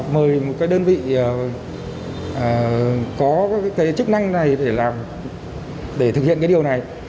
mời một cái đơn vị có cái chức năng này để làm để thực hiện cái điều này